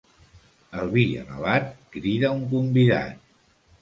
El vi alabat crida un convidat.